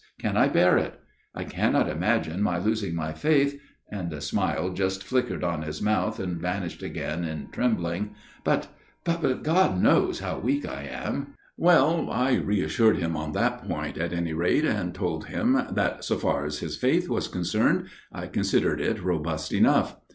* Can I bear it ? I cannot imagine my losing my faith,' and a smile just flickered on his mouth and vanished again in trembling, * but but God knows how weak I am.' " Well, I reassured him on that point, at any rate, and told him that, so far as his faith was concerned, I considered it robust enough.